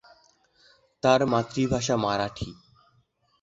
তাঁর মাতৃভাষা মারাঠি।